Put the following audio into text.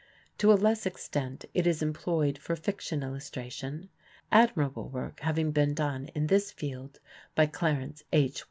To a less extent it is employed for fiction illustration, admirable work having been done in this field by Clarence H.